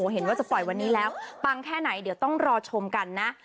เห็นว่าจะปล่อยวันนี้แล้วปังแค่ไหนเดี๋ยวต้องรอชมกันนะ